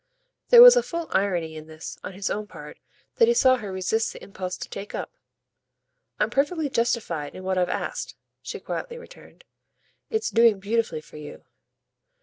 There was a full irony in this, on his own part, that he saw her resist the impulse to take up. "I'm perfectly justified in what I've asked," she quietly returned. "It's doing beautifully for you."